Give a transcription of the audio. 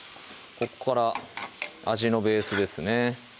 ここから味のベースですね